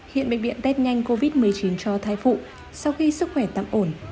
hiện bệnh viện test nhanh covid một mươi chín cho thai phụ sau khi sức khỏe tạm ổn